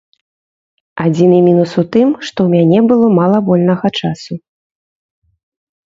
Адзіны мінус у тым, што ў мяне было мала вольнага часу.